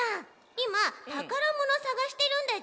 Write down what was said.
いまたからものさがしてるんだち。